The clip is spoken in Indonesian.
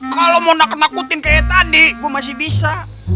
kalau mau nakut nakutin kayak tadi gue masih bisa